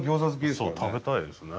そう食べたいですね。